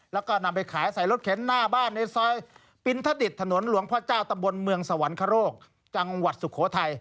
แล้วก็นำไปขายใส่รถเข็นหน้าบ้านในซอยปินทดิตถนนหลวงพ่อเจ้าตำบลเมืองสวรรคโรคจังหวัดสุโขทัย